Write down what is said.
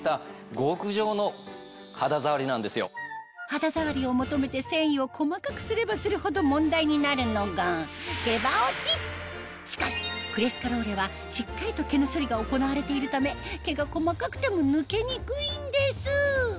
肌触りを求めて繊維を細かくすればするほど問題になるのがしかしクレスカローレはしっかりと毛の処理が行われているため毛が細かくても抜けにくいんです